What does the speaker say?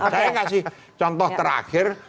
saya kasih contoh terakhir